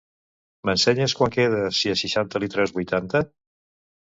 M'ensenyes quant queda si a seixanta li treus vuitanta?